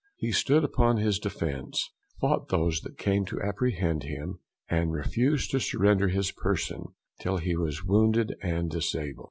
He stood upon his Defence, fought those that came to apprehend him, and refused to surrender his Person till he was wounded and disabled.